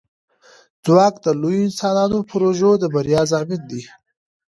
ځواک د لویو انساني پروژو د بریا ضامن دی.